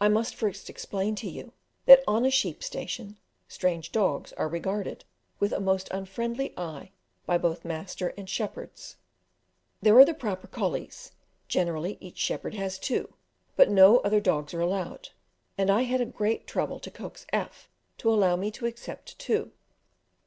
I must first explain to you that on a sheep station strange dogs are regarded with a most unfriendly eye by both master and shepherds. There are the proper colleys, generally each shepherd has two, but no other dogs are allowed, and I had great trouble to coax F to allow me to accept two.